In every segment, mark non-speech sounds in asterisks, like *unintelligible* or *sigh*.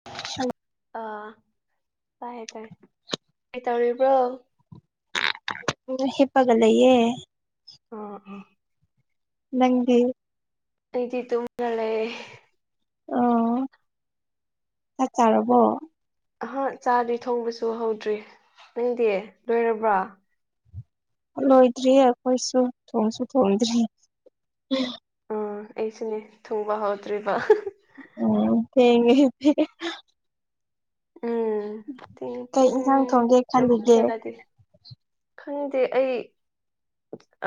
*unintelligible* ꯑꯥ ꯇꯥꯏ ꯇꯔꯦ ꯀꯩꯇꯧꯔꯤꯕ꯭ꯔꯣ ꯎ ꯍꯤꯞꯄꯒ ꯂꯩꯌꯦ ꯑ‌ꯣ ꯎꯝ ꯅꯪꯗꯤ ꯑꯩꯗꯤ ꯇꯨꯝꯃꯒ ꯂꯩ ꯑꯣ ꯆꯠ ꯆꯥꯔꯕꯣ ꯑꯍ ꯆꯥꯗꯤ ꯊꯣꯡꯕꯁꯨ ꯍꯧꯗ꯭ꯔꯤ ꯅꯪꯗꯤ ꯂꯣꯏꯔꯕ꯭ꯔꯥ ꯂꯣꯏꯗ꯭ꯔꯤ ꯑꯩꯈꯣꯏꯁꯨ ꯊꯣꯡꯁꯨ ꯊꯣꯡꯗ꯭ꯔꯤ ꯑꯩꯁꯤꯅꯦ ꯊ‌ꯣꯡꯕ ꯍꯧꯗ꯭ꯔꯤꯕ ꯎ ꯊꯦꯡꯉ‌ꯦ ꯎꯝ ꯊ‌ꯦꯡꯉ‌ꯦ ꯀꯩ ꯏꯟꯁꯥꯡ ꯄꯨꯡ ꯊꯣꯡꯒꯦ ꯇꯥꯔꯨꯛ ꯈꯜꯂꯤꯒꯦ ꯍ‌ꯦꯜꯂꯗꯤ ꯈꯪꯗꯦ ꯑꯩ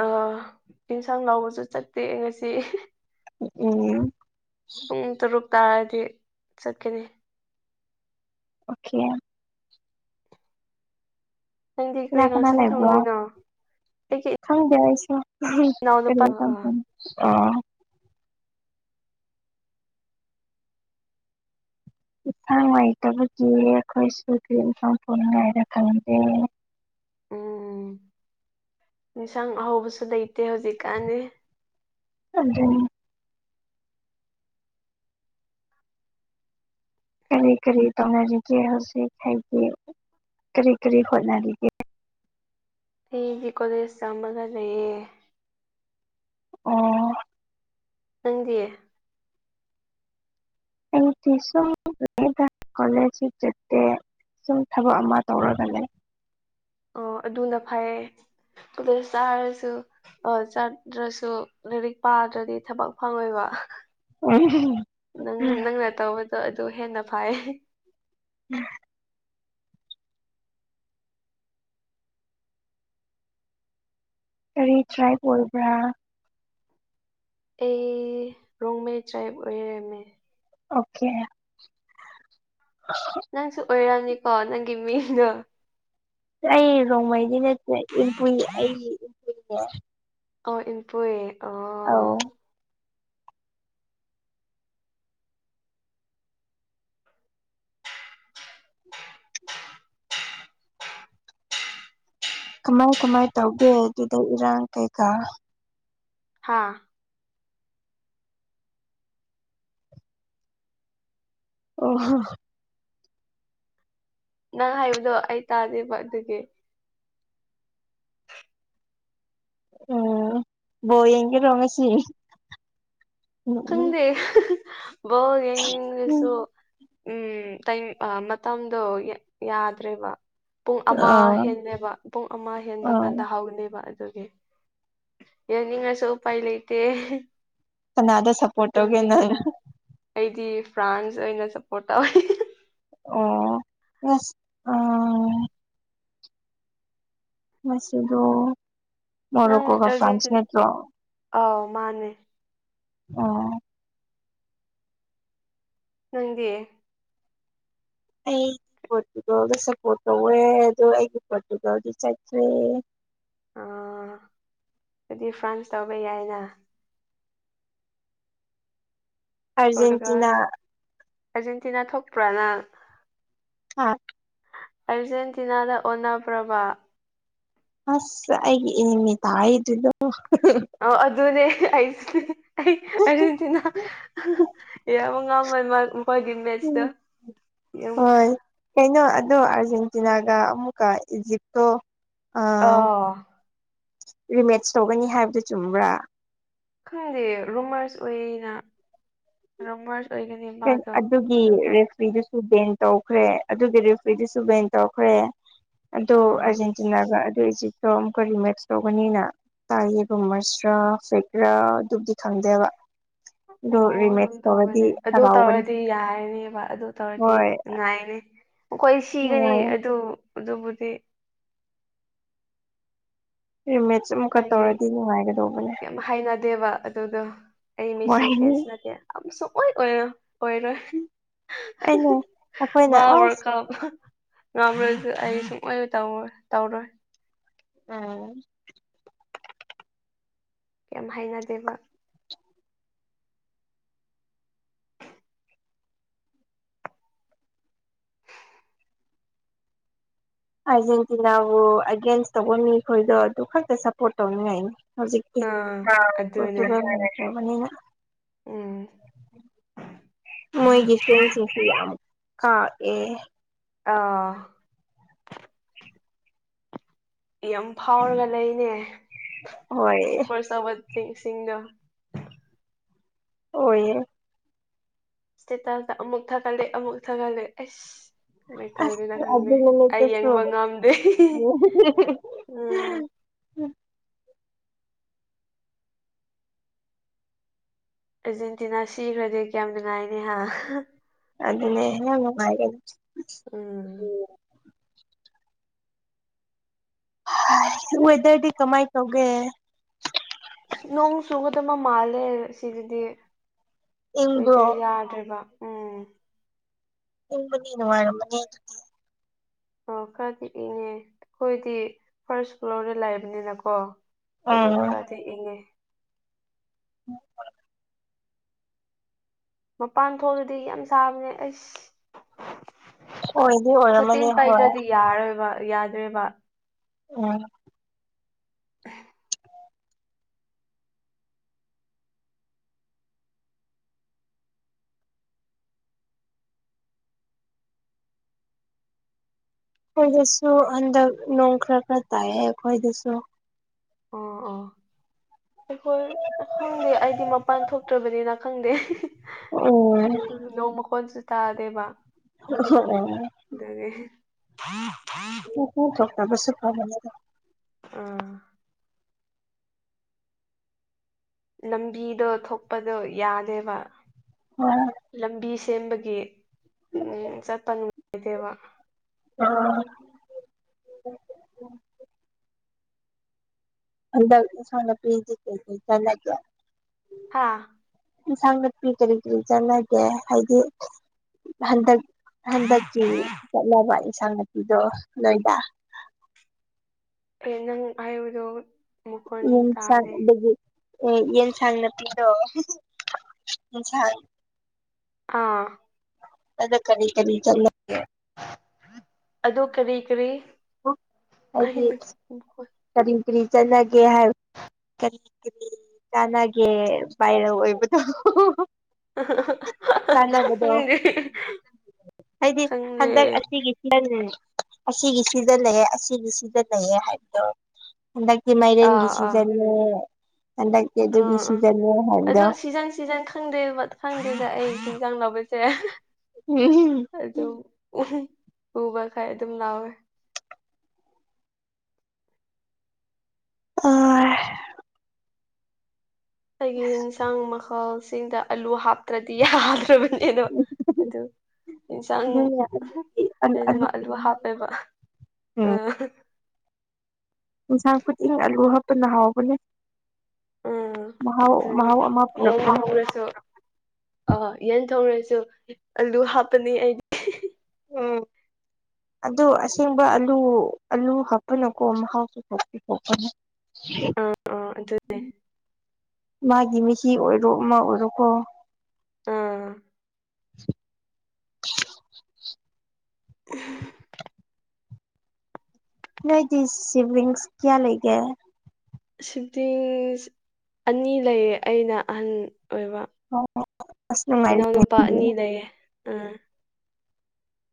ꯑ ꯌꯦꯟꯁꯥꯡ ꯂꯥꯎꯕꯁꯨ ꯆꯠꯇꯦ ꯉꯁꯤ ꯎꯝ ꯄꯨꯡ ꯇꯔꯨꯛ ꯇꯥꯔꯗꯤ ꯆꯠꯀꯅꯤ ꯑꯣꯀꯦ ꯅꯪꯗꯤ ꯀꯅꯥ ꯀꯔꯤ ꯀꯅꯥ ꯏꯡꯁꯪ ꯊ‌ꯣꯡꯗꯣꯏꯅꯣ ꯑꯩꯒꯤ ꯈꯪꯗ‌ꯦ ꯑꯩꯁ‌ꯦ ꯀꯔꯤ ꯏꯅꯥꯎꯅꯨꯄꯥ ꯏꯟꯁꯥꯡ ꯑꯥ ꯊ‌ꯣꯡꯗ‌ꯣꯏꯅ‌‌ꯣ ꯏꯁꯥ ꯅꯨꯉꯥꯏꯇꯕꯒꯤ ꯑꯩꯈꯣꯏꯁꯨ ꯀꯔꯤ ꯑꯦꯟꯁꯥꯡ ꯊ‌ꯣꯡꯉꯤꯍꯥꯏꯕ ꯈꯪꯗꯦ ꯎꯝ ꯏꯟꯁꯥꯡ ꯑꯍꯥꯎꯕꯁꯨ ꯂꯩꯇꯦ ꯍꯧꯖꯤꯛꯀꯥꯟꯅꯤ ꯑꯗꯨꯅꯤ ꯀꯔꯤ ꯀꯔꯤ ꯇꯧꯅꯔꯤꯒꯦ ꯍꯧꯖꯤꯛ ꯍꯥꯏꯗꯤ ꯀꯔꯤ ꯀꯔꯤ ꯍꯣꯠꯅꯔꯤꯒꯦ ꯑꯩꯗꯤ ꯀꯣꯂꯦꯖ ꯆꯝꯃꯒ ꯂꯩꯌꯦ ꯑꯣ ꯅꯪꯗꯤ ꯑꯩꯗꯤ ꯁꯨꯝ *unintelligible* ꯀ‌ꯣꯂ‌ꯦꯖꯁꯨ ꯆꯠꯇ‌ꯦ ꯁꯨꯝ ꯊꯕꯛ ꯑꯃ ꯇꯧꯔꯒ ꯂꯩ ꯑꯣ ꯑꯗꯨꯅ ꯐꯩꯌꯦ ꯑꯗꯨꯗ ꯆꯥꯔꯁꯨ ꯑ ꯆꯠꯇ꯭ꯔꯁꯨ ꯂꯥꯏꯔꯤꯛ ꯄꯥꯗ꯭ꯔꯗꯤ ꯊꯕꯛ ꯐꯪꯉꯣꯏꯕ ꯅꯪ ꯅꯪꯅ ꯇꯧꯕꯗꯣ ꯑꯗꯨ ꯍꯦꯟꯅ ꯐꯩ ꯎꯝ ꯀꯔꯤ ꯇ꯭ꯔꯥꯏ꯭ꯔꯥ ꯑꯩ ꯔꯣꯡꯃꯩ ꯇ꯭ꯔꯥꯏꯕ ꯑꯣꯏꯔꯝꯃꯦ ꯑꯣꯀꯦ ꯅꯪꯁꯨ ꯑꯣꯏꯔꯝꯅꯤꯀꯣ ꯅꯪꯒꯤ ꯃꯤꯡꯗꯣ ꯑꯩ ꯔꯣꯡꯃꯩꯗꯤ ꯅꯠꯇꯦ ꯏꯟꯄꯨꯏ ꯑꯩ ꯏꯝꯄꯨꯏꯅꯦ ꯑꯣ ꯏꯟꯄꯨꯏ ꯑꯥꯎ ꯀꯃꯥꯏ ꯀꯃꯥꯏ ꯇꯧꯒꯦ ꯑꯗꯨꯗ ꯏꯔꯥꯡ ꯀꯩꯀꯥ ꯍꯥꯥ ꯑꯣꯍꯣ ꯅꯪ ꯍꯥꯏꯕꯗꯣ ꯑꯩ ꯇꯥꯗꯦꯕ ꯑꯗꯨꯒꯤ ꯎꯝ ꯕꯣ ꯌꯦꯒꯤ ꯇꯣꯡꯃꯦꯁꯤ *unintelligible* ꯎꯝ ꯃꯇꯝꯗꯣ ꯌꯥꯗ꯭ꯔꯦꯕ ꯄꯨꯡ ꯑꯃ ꯑꯥ ꯍꯦꯅꯦꯕ ꯄꯨꯡ ꯑꯃ ꯍꯦꯟꯕ ꯑꯥ ꯀꯥꯟꯗ ꯍꯧꯅꯦꯕ ꯑꯗꯨꯒꯤ ꯌꯥꯅꯤꯡꯉꯁꯨ ꯎꯄꯥꯏ ꯂꯩꯇꯦ ꯀꯥꯅꯗ ꯇꯨꯝꯅꯤꯡꯕꯅ ꯑꯩꯗꯤ ꯐ꯭ꯔꯥꯟꯁ ꯑꯣꯏꯅ ꯁꯞꯄꯣꯔꯠ ꯇꯧꯋꯤ ꯑꯣ ꯉꯁ ꯑꯥ ꯃꯁꯗꯨ ꯅꯪ ꯅꯣꯛꯒ ꯐ꯭ꯔꯥꯟꯁ ꯑꯔꯖꯦꯟꯇꯤꯟ ꯅꯠꯇ꯭ꯔꯣ ꯑꯥꯎ ꯃꯥꯅꯦ ꯑꯣ ꯅꯪꯗꯤ ꯑꯩꯒꯤ ꯄꯣꯔꯇꯨꯒꯜꯗ ꯁꯞꯄꯣꯔꯠ ꯇꯧꯋꯦ ꯑꯗꯣ ꯑꯩꯒꯤ ꯄꯣꯔꯇꯨꯒꯥꯜꯗꯤ ꯆꯈ꯭ꯔꯦ ꯍꯥꯏꯗꯤ ꯐ꯭ꯔꯥꯟꯁ ꯇꯧꯕ ꯌꯥꯏꯅ ꯄꯣꯔꯇꯨꯒꯜ ꯑꯥꯔꯖꯦꯟꯇꯤꯅꯥ ꯑꯔꯖꯦꯟꯇꯤꯅꯥ ꯊꯣꯛꯄ꯭ꯔꯥꯅ ꯑ ꯑꯔꯖꯦꯟꯇꯤꯅꯥꯗ ꯑꯣꯟꯅ ꯄ꯭ꯔꯕ ꯑꯁ ꯑꯩꯒꯤ ꯏꯃꯤ ꯇꯥꯏꯗꯨꯗꯨꯣ ꯑ ꯑꯗꯨꯅꯦꯁꯦ ꯑꯩ ꯑꯥꯔꯖꯦꯟꯇꯤꯅꯥ ꯌꯥꯝꯌꯥꯝ ꯉꯥꯃ ꯍꯣꯏꯗꯤ ꯎꯝ ꯃꯦꯠꯆꯇ ꯌꯦ ꯍꯣꯏ ꯀꯩꯅꯣ ꯑꯗꯣ ꯑꯥꯔꯖꯦꯟꯇꯤꯅꯥꯒ ꯑꯃꯨꯛꯀ ꯏꯖꯤꯞꯇꯣ ꯑ ꯑꯥ ꯔꯤꯃꯦꯠꯁ ꯇꯧꯒꯅꯤ ꯍꯥꯏꯕꯗꯨꯣ ꯆꯨꯝꯕ꯭ꯔꯥ ꯈꯪꯗꯦ ꯔꯨꯃꯔꯁ ꯑꯣꯏꯌꯦꯅ ꯔꯣꯡꯃꯔꯁ ꯑꯣꯏꯒ ꯑꯗꯨꯒꯤ ꯔꯦꯁꯔꯤꯗꯨꯁꯨ ꯕꯦꯟ ꯇꯧꯈ꯭ꯔꯦ ꯑꯗꯨꯒꯤ ꯔꯤꯐ꯭ꯔꯤꯗꯨꯁꯨ ꯕꯦꯟ ꯇꯧꯈ꯭ꯔꯦ ꯑꯗꯨ ꯑꯥ ꯑꯥꯔꯖꯦꯟꯇꯤꯅꯥꯒ ꯑꯗꯨꯏ ꯑꯣ ꯑꯃꯨꯛꯀ ꯔꯤ ꯃꯦꯛꯁ ꯇꯧꯒꯅꯤꯅ ꯇꯥꯏꯌꯦꯕꯃꯁꯔꯥ ꯐꯦꯀꯔꯥ ꯑꯗꯨꯕꯨꯗꯤ ꯈꯪꯗꯦꯕ ꯑꯗꯨꯣ ꯑꯣ ꯔꯤꯃꯦꯦꯛ ꯑꯗꯨꯝ ꯇꯧꯗꯤ ꯇꯧꯕꯅꯦ ꯑꯗꯨ ꯇꯧꯔꯗꯤ ꯌꯥꯔꯅꯦꯕ ꯑꯗꯨ ꯇꯧꯔꯗꯤ ꯍꯣꯏ ꯅꯨꯡꯉꯥꯏꯅꯤ ꯑꯩꯈꯣꯏ ꯁꯤꯒꯅꯤ ꯅꯨꯡꯉꯥꯏꯌꯦ ꯑꯗꯨ ꯑꯗꯨꯕꯨꯗꯤ ꯔꯤꯃꯦꯠꯁ ꯑꯃꯨꯛꯀ ꯑꯩ ꯇꯧꯔꯗꯤ ꯅꯨꯡꯉꯥꯏꯒꯗꯧꯕꯅꯦ ꯌꯥꯝ ꯍꯥꯏꯅꯗꯦꯕ ꯑꯗꯨꯗꯣ ꯑꯩ ꯃꯤꯁꯤ ꯍꯣꯏ ꯐꯦꯟꯁ ꯅꯠꯇꯦ ꯁꯨꯡꯑꯣꯏ ꯑꯣꯏ ꯑꯣꯏꯔꯣꯏ ꯑꯩꯅ ꯑꯩꯈꯣꯏꯅ ꯃꯥ ꯃꯔꯛ ꯑꯁ ꯀ ꯄꯝꯔꯁꯨ ꯑꯩ ꯁꯨꯡꯑꯣꯏ ꯇꯧꯔ ꯇꯧꯔꯣꯏ ꯎꯝ ꯌꯥꯝ ꯍꯥꯏꯅꯗꯦꯕ ꯑꯥꯔꯖꯦꯟꯇꯤꯅꯥꯕꯨ ꯑꯦꯒꯦꯟꯁ ꯇꯧꯕ ꯃꯤꯈꯣꯏꯗꯣ ꯑꯗꯨ ꯈꯛꯇ ꯁꯞꯄꯣꯔꯠ ꯇꯧꯅꯤꯡꯉꯥꯏꯅꯤ ꯍꯧꯖꯤꯛꯇꯤ ꯑꯥ ꯑꯗꯨꯅꯦ ꯀꯥꯡꯒꯅꯈ꯭ꯔꯕꯅꯤꯅ ꯎꯝ ꯃꯣꯏꯒꯤꯄꯤꯦꯟꯁꯤꯡꯁꯨ ꯌꯥꯝ ꯀꯥꯎ ꯑꯦ ꯑꯥ ꯌꯥꯝ ꯐꯥꯎꯔꯒ ꯂꯩꯅꯦ ꯍꯣꯏ ꯁꯨꯄꯔ ꯆꯥꯎꯕ ꯏꯁꯤꯡꯗꯣ ꯑꯣꯏꯣꯏꯌꯦ ꯁꯦꯇ ꯑꯃꯃꯨꯛ ꯊꯒꯦ ꯑꯃꯃꯨꯛ ꯊꯒꯦ ꯑꯦꯁ ꯀꯃꯥꯏꯅ ꯇꯧꯋꯗꯅ ꯑꯁ ꯈꯪꯗꯦ ꯑꯗꯨ ꯑꯩ ꯅꯨꯃꯤꯠꯇꯨꯁꯨ ꯌꯦꯡꯕ ꯉꯝꯗꯦ ꯎꯝ ꯑꯔꯖꯦꯟꯇꯤꯅꯥ ꯁꯤꯈ꯭ꯔꯗꯤ ꯀꯌꯥꯝ ꯅꯨꯡꯉꯥꯏꯅꯦ ꯍꯥ ꯑꯗꯨꯅꯦ ꯍ ꯅꯨꯡꯉꯥꯏꯒ ꯎꯝ ꯋꯦꯗꯔꯗꯤ ꯀꯃꯥꯏ ꯀꯧꯒꯦ ꯅꯣꯡ ꯆꯨꯒꯗꯕ ꯃꯥꯜꯂꯦ ꯁꯤꯗꯗꯤ ꯏꯪꯕ꯭ꯔꯣ ꯑꯣꯏꯣꯏꯗꯔ ꯌꯥꯗ꯭ꯔꯦꯕ ꯎꯝ ꯇꯨꯝꯕꯗꯤ ꯅꯨꯡꯉꯥꯏꯔꯝꯃꯅꯤ ꯑꯣ ꯈꯔꯗꯤ ꯏꯪꯉꯦ ꯑꯩꯈꯣꯏꯗꯤ ꯐꯥꯔꯁ ꯐ꯭ꯂꯣꯔꯗ ꯂꯩꯕꯅꯤꯅꯀꯣ ꯎꯝ ꯈꯔꯗꯤ ꯏꯉꯦ ꯎꯝ ꯑꯥꯏ ꯃꯄꯥꯟ ꯊꯣꯛꯂꯗꯤ ꯌꯥꯝ ꯁꯥꯕꯅꯦ ꯑꯩꯁ ꯑꯣꯏꯗꯤ ꯁꯇꯤꯟ ꯑꯣꯏꯔꯝꯃꯅꯤ ꯍꯣꯏ ꯄꯥꯏꯗ꯭ꯔꯗꯤ ꯌꯥꯔꯣꯏꯕ ꯌꯥꯗ꯭ꯔꯦꯕ ꯑꯣ ꯑꯩꯈꯣꯏꯗꯁꯨ ꯍꯟꯗꯛ ꯅꯣꯡ ꯈꯔ ꯈꯔ ꯇꯥꯏꯑꯦ ꯑꯩꯈꯣꯏꯗꯁꯨ ꯑꯣ ꯑꯣ ꯑꯩꯈꯣꯏ ꯑꯩꯈ‌ꯧꯏ ꯑꯩꯗꯤ ꯃꯄꯥꯟ ꯊꯣꯛꯇ꯭ꯔꯕꯅꯤꯅ ꯈꯪꯗꯦ ꯎꯝ ꯎꯝ ꯅꯣꯡ ꯃꯈꯣꯟꯁꯨ ꯇꯥꯗꯦꯕ ꯑꯣ ꯑꯣ ꯗꯨꯅꯤ ꯎ ꯀꫭꯛ ꯐꯔꯛ ꯇꯥꯕ ꯁꯥꯛ ꯑꯃ ꯌꯥꯎꯕꯅꯦ ꯫ ꯎꯝ ꯂꯝꯕꯤꯗꯣ ꯊꯣꯛꯄꯗꯣ ꯌꯥꯗꯦꯕ ꯍꯣꯏ ꯂꯝꯕꯤ ꯁꯦꯝꯕꯒꯤ ꯎꯝ ꯆꯠꯄ ꯅꯨꯡꯉꯥꯏꯇ‌ꯦꯕ ꯑꯣ ꯍꯟꯗꯛ ꯏꯟꯖꯥꯡ ꯅꯄꯤꯗꯤ ꯀ‍ꯩ ꯀꯩ *unintelligible* ꯍꯥꯥ ꯏꯟꯁꯥꯡ ꯅꯥꯠꯄꯤ ꯀꯔꯤ ꯀꯔꯤ ꯆꯥꯟꯅꯒꯦ ꯍꯥꯏꯗꯤ ꯍꯟꯗꯛ ꯍꯟꯗꯛꯀꯤ ꯆꯠꯂꯕ ꯏꯟꯁꯥꯡ ꯅꯥꯄꯤꯗꯣ ꯅꫭꯏꯗꯥ ꯀꯩ ꯅꯪ ꯍꯥꯏꯕꯗꯣ ꯃꯈꯣꯟ *unintelligible* ꯇꯥꯗꯦ ꯑꯗꯨꯗꯒꯤ ꯌꯦꯟ ꯁꯥꯡ ꯅꯄꯤꯗꯣꯡ ꯑꯥ ꯑꯗꯥ ꯀꯔꯤ ꯀꯔꯤ *unintelligible* ꯑꯗꯨ ꯀꯔꯤ ꯀꯔꯤ ꯑꯩ ꯍꯥꯏꯗꯤ *unintelligible* ꯀꯔꯤ ꯀꯔꯤ ꯆꯠꯂꯒꯦ ꯍꯥꯏ ꯀꯔꯤ ꯀꯔꯤ ꯀꯥꯟꯅꯒꯦ ꯚꯥꯏꯔ ꯑꯣꯏꯕꯗꯣ ꯆꯥꯟꯅꯕꯗꯣ *inaudible* ꯍꯥꯏꯗꯤ ꯈꯪꯗꯦ ꯍꯟꯗꯀ ꯑꯁ ꯑꯁꯤꯒꯤ ꯁꯤꯖꯤꯟꯅꯩꯌꯦ ꯑꯁꯤꯒꯤ ꯁꯤꯖꯤꯟꯅꯩꯌꯂ ꯍꯥꯏꯕꯗꯣ ꯍꯟꯗꯛꯇꯤ ꯃꯥꯏꯔꯦꯟꯒꯤ ꯑꯥ ꯑꯥ ꯁꯤꯖꯟꯅꯦ ꯍꯟꯗꯛꯇꯤ ꯑꯗꯨꯒꯤ ꯑꯥ ꯑꯥ ꯁꯤꯖꯟꯅꯦ ꯍꯥꯏꯕꯗꯣ ꯑꯗꯨ ꯁꯤꯖꯟ ꯁꯤꯖꯟ ꯈꯪꯗꯦꯕꯗ ꯈꯪꯗꯦꯗ ꯑꯩ ꯁꯤ ꯆꯪꯂꯕꯁꯦ ꯎꯝ ꯑꯗꯨꯝ ꯑꯨꯕ ꯈꯩ ꯑꯗꯨꯝ ꯂꯧꯋꯦ ꯑꯩꯒꯤ ꯌꯦꯟꯁꯥꯡ ꯃꯈꯜꯁꯤꯡꯗ ꯑꯂꯨ ꯍꯥꯞꯇ꯭ꯔꯗꯤ ꯌꯥꯗ꯭ꯔꯕ ꯀꯩꯅꯣ ꯑꯗꯨ ꯏꯟꯁꯥꯡ ꯂ‌ꯣꯏꯅꯕ ꯑꯂꯨꯒꯤ ꯑꯂꯨ ꯃꯍꯥꯎ ꯍꯥꯞꯄꯦꯕ ꯎꯝ ꯑꯪ ꯏꯟꯁꯥꯡ ꯈꯨꯗꯤꯡ ꯑꯂꯨ ꯍꯥꯞꯇꯄꯅ ꯍꯥꯎꯕꯅꯦ ꯎꯝ ꯃꯥꯍꯧ ꯃꯍꯥꯎ ꯑꯃꯥ ꯄꯨꯔꯛꯄꯅ‌ꯦ ꯄꯨꯔꯁꯨ ꯑꯥ ꯌꯦꯟ ꯊꯣꯡꯔꯁꯨ ꯑꯂꯨ ꯍꯥꯞꯄꯅꯤ ꯑꯩ *unintelligible* ꯑꯗꯣ ꯑꯁꯦꯡꯕ ꯑꯂꯨ ꯑꯂꯨ ꯍꯥꯞꯄꯅꯀꯣ ꯃꯍꯥꯎ ꯊ‌ꯣꯛꯁꯨ ꯊꯣꯛꯄꯅ‌ꯦ ꯑꯥ ꯑꯗꯨꯅꯦ ꯃꯥꯒꯤ ꯃꯍꯤ ꯑꯣꯏꯔꯣ ꯑꯃ ꯑꯣꯏꯔꯣꯀꯣ ꯎꯝ ꯎꯝ ꯅꯣꯏꯗꯤ ꯁꯤꯕꯤꯡꯁ ꯀꯌꯥ ꯂꯩꯒꯦ ꯁꯤꯗꯤꯁ ꯑꯅꯤ ꯂꯩꯌꯦ ꯑꯩꯅ ꯑꯍꯟ ꯑꯣꯏꯕ ꯑꯁ ꯅꯨꯡꯉꯥꯏꯔꯤꯅꯦ ꯏꯅꯥꯎꯅꯨꯄꯥ ꯑꯗꯨꯗꯤ ꯑꯅꯤ ꯂꯩꯌꯦ ꯑꯥ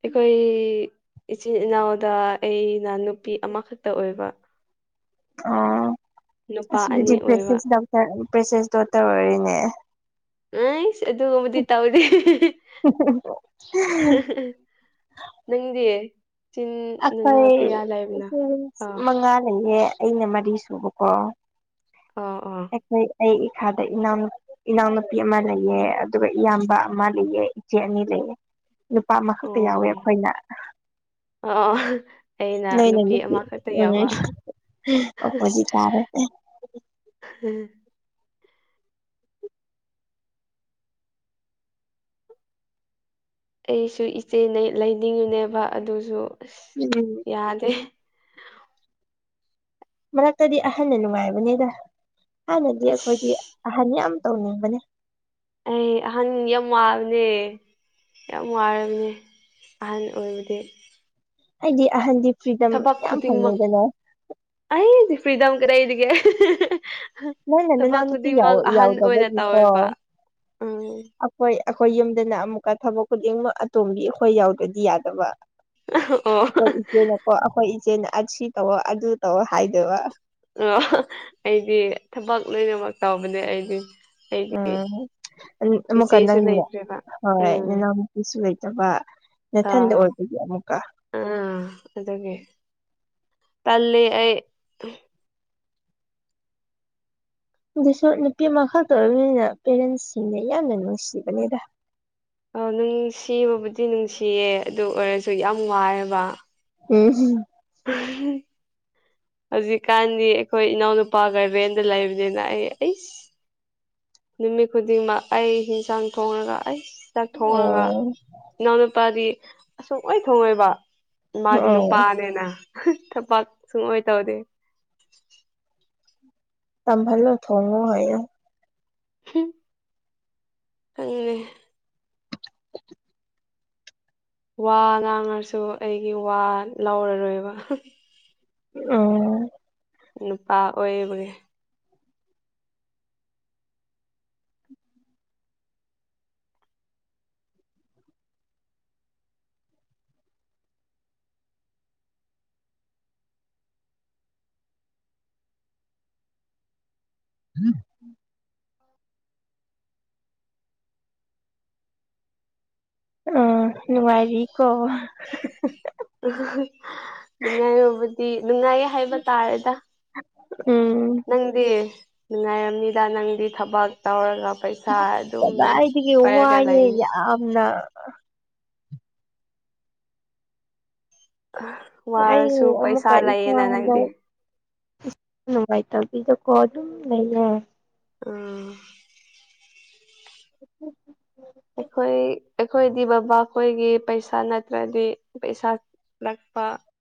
ꯑꯩꯈꯣꯏ ꯏꯆꯤꯟ ꯏꯅꯥꯎꯗ ꯑꯩꯅ ꯅꯨꯄꯤ ꯑꯃꯈꯛꯇ ꯑꯣꯏꯕ ꯑꯣ ꯅꯨꯄꯥ ꯑꯁꯤꯕꯨꯗꯤ ꯑꯅꯤ ꯑꯣꯏꯕ ꯄ꯭ꯔꯦꯁꯦꯁ ꯄ꯭ꯔꯦꯁꯦꯁ ꯗꯣꯇꯔ ꯑꯣꯏꯔꯤꯅꯦ ꯑꯁ ꯑꯗꯨꯒꯨꯝꯕꯗꯤ ꯇꯧꯗꯦ ꯅꯪꯒꯤꯗꯤ ꯑꯩꯈꯣꯏ ꯁꯦꯕꯤꯡꯁ ꯑꯥ ꯃꯉꯥ ꯂꯩꯌꯦ ꯑꯩꯅ ꯃꯔꯤ ꯁꯨꯕꯀꯣ ꯑꯣ ꯑꯣ ꯑꯩꯈꯣꯏ ꯑꯩ ꯏꯈꯥꯗ ꯏꯅꯥꯎ ꯏꯅꯥꯎꯅꯨꯄꯤ ꯑꯃ ꯂꯩꯌꯦ ꯑꯗꯨꯒ ꯏꯌꯥꯝꯕ ꯑꯃ ꯂꯩꯌꯦ ꯏꯆꯦ ꯑꯅꯤ ꯂꯩꯌꯦ ꯂꯨꯄꯥ ꯑꯃꯈꯛꯇ ꯑꯣ ꯌꯥꯎꯋꯦ ꯑꯣ ꯑꯩꯈꯣꯏꯅ ꯑꯣ ꯑꯩꯅ ꯅꯣꯏꯅ ꯅꯨꯄꯤ ꯑꯃꯈꯛꯇ ꯎꯝ ꯌꯥꯎꯕ ꯑꯣꯄꯣꯖꯤꯠ ꯇꯥꯔꯦ *unintelligible* ꯑꯩꯁꯨ ꯏꯆꯦꯅ ꯂꯩꯅꯤꯡꯉꯤꯅꯦꯕ ꯑꯗꯨꯁꯨ ꯑꯁ ꯎꯝ ꯌꯥꯗꯦ ꯃꯔꯛꯇꯗꯤ ꯑꯍꯟꯅ ꯅꯨꯡꯉꯥꯏꯕꯅꯤꯗ ꯍꯥꯟꯅꯗꯤ ꯑꯁ ꯑꯩꯈꯣꯏꯗꯤ ꯑꯍꯟ ꯌꯥꯝ ꯇꯧꯅꯤꯡꯕꯅꯦ ꯑꯦ ꯑꯍꯟ ꯌꯥꯝ ꯋꯥꯕꯅꯦ ꯌꯥꯝ ꯋꯥꯔꯕꯝꯅꯤ ꯑꯍꯜ ꯑꯣꯏꯕꯗꯤ ꯑꯩꯗꯤ ꯑꯍꯟꯗꯤ ꯐ꯭ꯔꯤꯗꯝ ꯊꯕꯛ ꯌꯥꯝ ꯈꯨꯗꯤꯡꯃꯛ ꯐꯪꯉꯦꯗꯅ ꯑꯩꯗꯤ ꯐ꯭ꯔꯤꯗꯥꯝ ꯀꯗꯤꯒꯦ ꯅꯪꯅ ꯅꯅꯥꯎ ꯊꯕꯛ ꯅꯨꯄꯤ ꯈꯨꯗꯤꯡꯃꯛ ꯌꯥꯎ ꯑꯍꯟ ꯑꯣꯏꯅ ꯌꯥꯎꯗꯕꯒꯤꯀꯣ ꯇꯧꯋꯦꯕ ꯎꯝ ꯑꯩꯈꯣꯏ ꯑꯩꯈꯣꯏ ꯌꯨꯝꯗꯅ ꯑꯃꯨꯛꯀ ꯊꯕꯛ ꯈꯨꯗꯤꯡꯃꯛ ꯑꯇꯣꯝꯒꯤ ꯑꯩꯈꯣꯏ ꯌꯥꯎꯗ꯭ꯔꯗꯤ ꯌꯥꯗꯕ ꯑꯣ ꯑꯩꯈꯣꯏ ꯏꯆꯦꯅꯀꯣ ꯑꯩꯈꯣꯏ ꯏꯆꯦꯅ ꯑꯁꯤ ꯇꯧꯔꯣ ꯑꯗꯨ ꯇꯧꯣ ꯍꯥꯏꯗꯣꯏꯕ ꯑꯣ ꯑꯩꯗꯤ ꯊꯕꯛ ꯂꯣꯏꯅꯃꯛ ꯇꯧꯕꯅꯦ ꯑꯩꯗꯤ ꯑꯩꯗꯤ ꯎꯝ ꯃ ꯀ ꯏꯆꯦꯁꯨ ꯂꯩꯇ꯭ꯔꯦꯕ ꯎꯝ ꯅꯗ ꯍꯣꯏ ꯀꯁꯨ ꯂꯩꯇꯕ ꯅꯅꯥꯊꯟꯗ ꯑꯥ ꯑꯣꯏꯕꯒꯤ ꯑꯃꯨꯛꯀ ꯑꯥ ꯑꯗꯨꯒꯤ ꯇꯜꯂꯤꯦ ꯑꯩ ꯑꯗꯨꯁꯨ ꯅꯨꯄꯤ ꯑꯃꯈꯛꯇ ꯑꯣꯏꯔꯕꯅꯤꯅ ꯄꯦꯔꯦꯟꯁꯁꯤꯡꯅ ꯌꯥꯝꯅ ꯅꯨꯡꯁꯤꯕꯅꯦꯗ ꯑ ꯅꯨꯡꯁꯤꯕꯕꯨꯗꯤ ꯅꯨꯡꯁꯤꯌꯦ ꯑꯗꯨ ꯑꯣꯏꯔꯁꯨ ꯌꯥꯝ ꯋꯥꯏꯑꯦꯕ ꯎꯝ ꯍꯝ *unintelligible* ꯍꯧꯖꯤꯛꯀꯥꯟꯗꯤ ꯑꯩꯈꯣꯏ ꯏꯅꯥꯎꯅꯨꯄꯥ ꯒꯔꯕꯦꯟꯗ ꯂꯩꯕꯅꯤꯅ ꯑꯩ ꯑꯩ ꯅꯨꯃꯤꯠ ꯈꯨꯗꯤꯡꯃꯛ ꯑꯩ ꯏꯟꯁꯥꯡ ꯊꯣꯡꯉꯒ ꯑꯩ ꯆꯛ ꯊꯣꯡꯉꯒ ꯑꯣ ꯏꯅꯥꯎꯅꯨꯄꯥꯗꯤ ꯑꯁꯨꯛ ꯂꯣꯏ ꯊꯣꯡꯉꯣꯏꯕ ꯃꯥꯗꯤ ꯑꯣ ꯅꯨꯄꯥꯅꯦꯅ ꯊꯕꯥꯛ ꯁꯨꯡꯑꯣ ꯑꯣꯏ ꯇꯧꯗꯦ ꯇꯍꯂꯣ ꯊꯣꯡꯉꯣ ꯍꯥꯏꯌꯦ ꯍꯝ ꯐꯪꯅꯦ *inaudible* ꯋꯥ ꯉꯥꯡꯉꯁꯨ ꯑꯩꯒꯤ ꯋꯥ ꯂꯧꯔꯔꯣꯏꯕ ꯑꯣ ꯅꯨꯄꯥ ꯑꯣꯏꯔꯤꯕꯅꯦ ꯎꯝ ꯑ ꯉꯔꯤꯀꯣ ꯅꯨꯡꯉꯥꯏꯔꯕꯨꯗꯤ ꯅꯨꯡꯉꯥꯏꯌꯦ ꯍꯥꯏꯕ ꯇꯥꯔꯦꯗ ꯎꯝ ꯅꯪꯗꯤ ꯅꯨꯡꯉꯥꯏꯔꯝꯅꯤꯗ ꯅꯪꯗꯤ ꯊꯕꯛ ꯇꯧꯔꯒ ꯄꯩꯁꯥ ꯁꯥꯥ ꯑꯗꯨꯝ ꯄꯥꯏꯔꯒ ꯂꯩꯅꯤ ꯑꯗꯨꯗ ꯑꯩ ꯋꯥꯔꯁꯨ ꯄꯩꯁꯥ ꯂꯩꯌꯦꯅ ꯅꯪꯗꯤ ꯅꯨꯡꯉꯥꯏꯇꯗꯤꯗ ꯀꯣ ꯑꯗꯨꯨꯝ ꯂꯩ ꯑꯝ *unintelligible* ꯑꯩꯈꯣꯏ ꯑꯩꯈꯣꯏꯗꯤ ꯕꯕꯥꯈꯣꯏꯒꯤ ꯄꯩꯁꯥ ꯅꯠꯇ꯭ꯔꯗꯤ ꯄꯩꯁꯥ ꯂꯥꯛꯄ